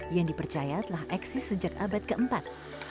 yang dipercaya telah eksis sejak abad keempat